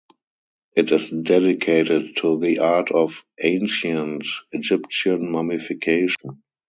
It is dedicated to the art of Ancient Egyptian mummification.